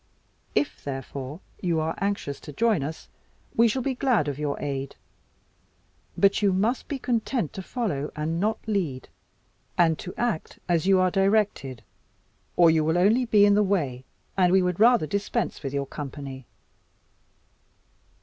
If, therefore, you are anxious to join us, we shall be glad of your aid. But you must be content to follow, and not lead and to act as you are directed or you will only be in the way, and we would rather dispense with your company."